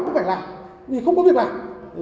nó phải làm vì không có việc làm